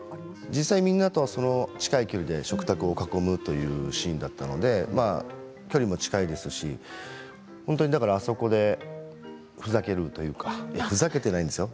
実際に近い距離で食卓を囲むというシーンだったので距離も近いですしそこでふざけるというかふざけてはいないんですよ